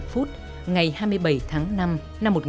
không chỉ phát huy tốt vai trò trao đổi năng lượng